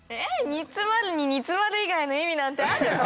「煮詰まる」に「煮詰まる」以外の意味なんてあるの？